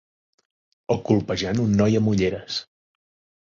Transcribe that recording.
O colpejant un noi amb ulleres.